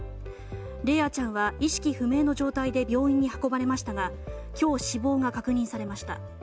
莉蒼ちゃんは意識不明の状態で病院に運ばれましたが今日死亡が確認されました。